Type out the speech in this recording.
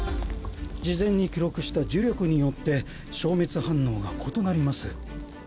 事前に記録した呪力によって消滅反応が異なります。